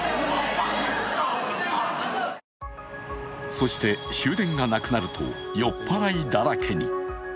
そして終電がなくなると酔っ払いだらけに。